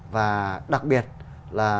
và đặc biệt là